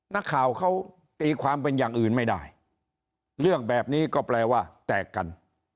นักข่าวเขาตีความเป็นอย่างอื่นไม่ได้เรื่องแบบนี้ก็แปลว่าแตกกัน